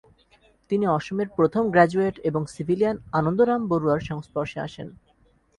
তিনি অসমের প্রথম গ্রাজুয়েট এবং সিভিলিয়ান আনন্দরাম বডুয়ার সংস্পর্শে আসেন।